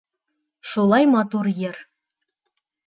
Шулай матур йыр!